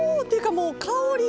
もう香りが。